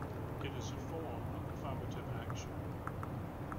It is a form of Affirmative action.